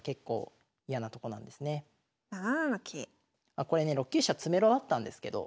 あこれね６九飛車詰めろあったんですけど。